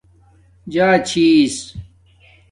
جݳچھیس